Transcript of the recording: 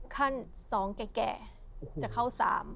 ขั้น๒แก่จะเข้า๓